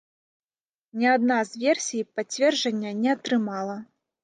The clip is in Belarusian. Ні адна з версій пацверджання не атрымала.